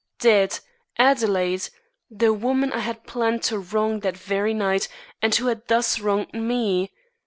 Dead! Adelaide! the woman I had planned to wrong that very night, and who had thus wronged me!